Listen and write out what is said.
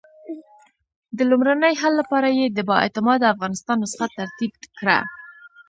د لومړني حل لپاره یې د با اعتماده افغانستان نسخه ترتیب کړه.